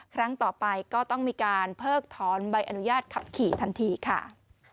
ครั้งต่อไปก็ต้องมีการเพิกถอนใบอนุญาตขับขี่ทันทีค่ะ